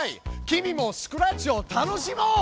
君もスクラッチを楽しもう！